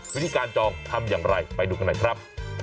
วิธีการจองทำอย่างไรไปดูกันหน่อยครับ